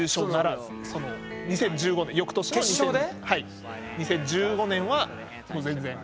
その２０１５年翌年の２０１５年はもう全然。